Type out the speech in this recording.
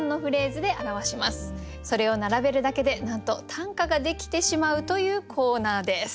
それを並べるだけでなんと短歌ができてしまうというコーナーです。